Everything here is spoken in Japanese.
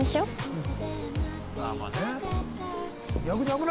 うん。